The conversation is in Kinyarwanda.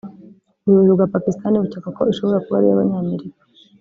ubuyobozi bwa Pakistan bukeka ko ishobora kuba ari iy’abanyamerika